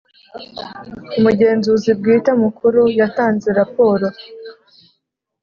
Umugenzuzi Bwite Mukuru yatanze raporo